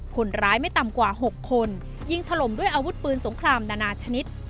คนร้ายไม่ต่ำกว่า๖คนยิงถล่มด้วยอาวุธปืนสงครามนานาชนิด